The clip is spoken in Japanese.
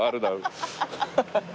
ハハハハ！